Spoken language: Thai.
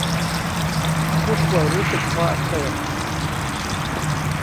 ผู้ป่วยรู้สึกคออักเสบ